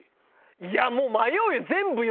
いやあもう迷うよ。